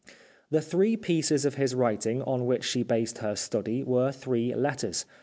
The three pieces of his writing on which she based her study were three letters.